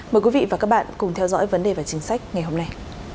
mời quý vị và các bạn cùng theo dõi vấn đề và chính sách ngày hôm nay